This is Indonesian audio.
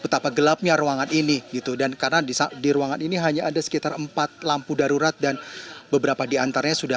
tidak ada harapan